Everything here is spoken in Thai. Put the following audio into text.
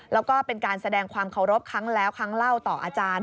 แล้วก็เป็นการแสดงความเคารพครั้งแล้วครั้งเล่าต่ออาจารย์